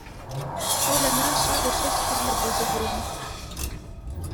Кольӑна ҫакӑ ҫеҫ кирлӗ пулчӗ тейӗн.